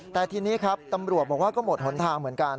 แต่ทีนี้ครับตำรวจบอกว่าก็หมดหนทางเหมือนกัน